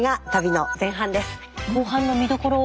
後半の見どころを。